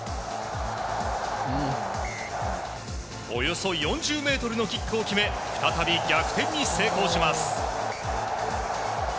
およそ４０ｍのキックを決め再び逆転に成功します。